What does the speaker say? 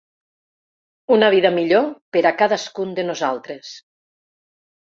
Una vida millor per a cadascun de nosaltres.